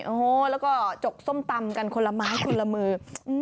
โอ้โหแล้วก็จกส้มตำกันคนละไม้คนละมือ